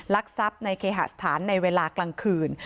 ลักทรัพย์ในเคหสถานในเวลากลางคืน